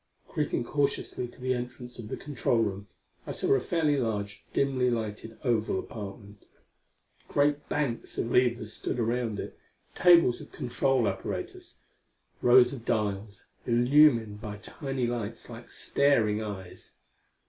Creeping cautiously to the entrance of the control room, I saw a fairly large, dimly lighted oval apartment. Great banks of levers stood around it; tables of control apparatus; rows of dials, illumined by tiny lights like staring eyes.